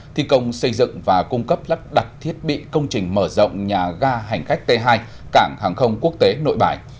thi công xây dựng và cung cấp lắp đặt thiết bị công trình mở rộng nhà ga hành khách t hai cảng hàng không quốc tế nội bài